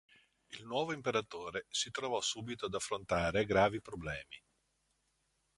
Il nuovo imperatore si trovò subito ad affrontare gravi problemi.